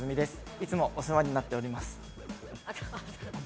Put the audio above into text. いつもお世話になっております。